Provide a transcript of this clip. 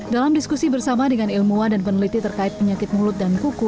dalam diskusi bersama dengan ilmuwan dan peneliti terkait penyakit mulut dan kuku